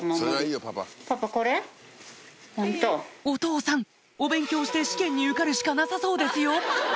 お父さんお勉強して試験に受かるしかなさそうですよ！